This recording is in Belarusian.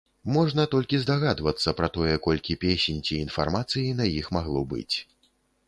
Можна толькі здагадвацца пра тое, колькі песень ці інфармацыі на іх магло быць.